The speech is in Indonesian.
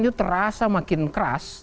itu terasa makin keras